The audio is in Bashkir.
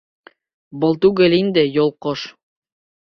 Был түгел инде, йолҡош.